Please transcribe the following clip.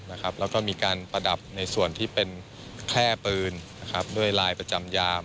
แล้วก็มีการประดับในส่วนที่เป็นแค่ปืนด้วยลายประจำยาม